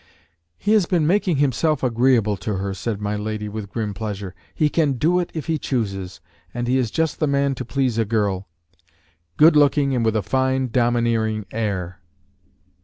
"He has been making himself agreeable to her," said my lady, with grim pleasure. "He can do it if he chooses; and he is just the man to please a girl, good looking, and with a fine, domineering air."